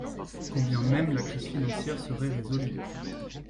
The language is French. Quand bien même la crise financière serait résolue.